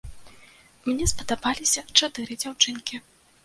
Мне спадабаліся чатыры дзяўчынкі.